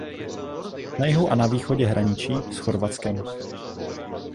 Na jihu a na východě hraničí s Chorvatskem.